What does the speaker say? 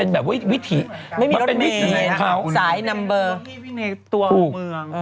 ไม่มีรถมเมนสายการณ์เพราะว่าพูดฟู